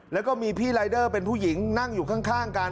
แล้วก็มีพี่รายเดอร์เป็นผู้หญิงนั่งอยู่ข้างกัน